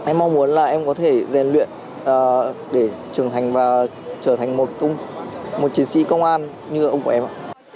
em mong muốn là em có thể rèn luyện để trưởng thành và trở thành một chiến sĩ công an như ông của em ạ